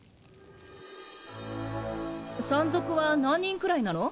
山賊は何人くらいなの？